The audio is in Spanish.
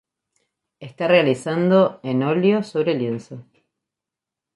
Está realizado en óleo sobre lienzo.